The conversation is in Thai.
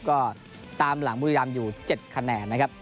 ก็ตามหลังบุรีรามอยู่๗คะแนนนะครับ